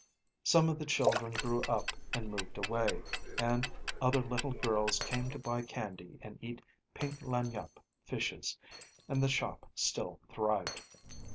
Some of the children grew up and moved away, and other little girls came to buy candy and eat pink lagniappe fishes, and the shop still thrived.